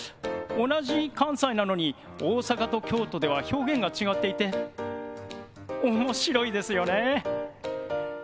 同じ関西なのに大阪と京都では表現が違っていて面白いですよね。